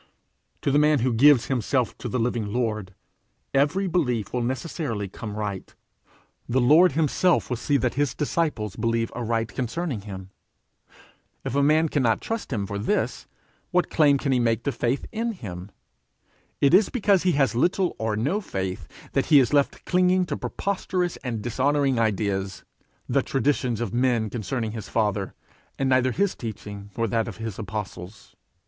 To the man who gives himself to the living Lord, every belief will necessarily come right; the Lord himself will see that his disciple believe aright concerning him. If a man cannot trust him for this, what claim can he make to faith in him? It is because he has little or no faith, that he is left clinging to preposterous and dishonouring ideas, the traditions of men concerning his Father, and neither his teaching nor that of his apostles.